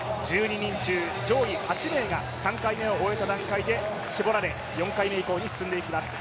１２人中上位８名が３回目を終えた段階で絞られ４回目以降に進んでいきます。